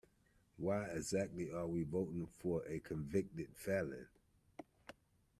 Why exactly are we voting for a convicted felon?